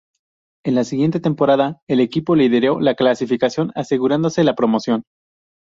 En la siguiente temporada, el equipo lideró la clasificación, asegurándose la promoción.